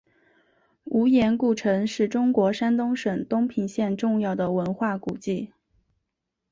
无盐故城是中国山东省东平县重要的文化古迹。